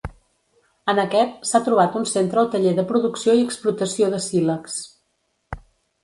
En aquest, s'ha trobat un centre o taller de producció i explotació de sílex.